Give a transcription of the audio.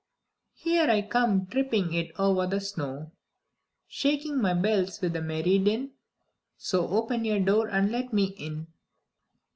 Here I come tripping it over the snow, Shaking my bells with a merry din; So open your door and let me in."